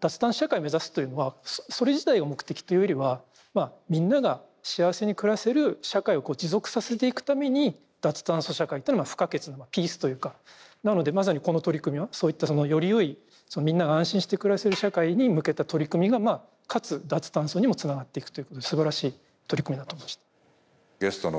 脱炭素社会を目指すというのはそれ自体が目的というよりはみんなが幸せに暮らせる社会を持続させていくために脱炭素社会というのは不可欠なピースというかなのでまさにこの取り組みはそういったよりよいみんなが安心して暮らせる社会に向けた取り組みがかつ脱炭素にもつながっていくということですばらしい取り組みだと思いました。